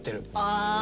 ああ！